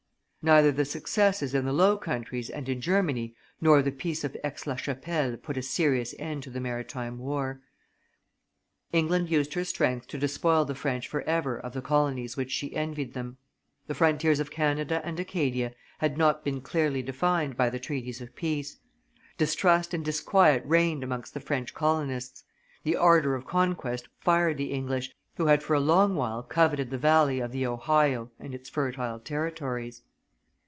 Neither the successes in the Low Countries and in Germany nor the peace of Aix la Chapelle put a serious end to the maritime war; England used her strength to despoil the French forever of the colonies which she envied them. The frontiers of Canada and Acadia had not been clearly defined by the treaties of peace. Distrust and disquiet reigned amongst the French colonists; the ardor of conquest fired the English, who had for a long while coveted the valley of the Ohio and its fertile territories.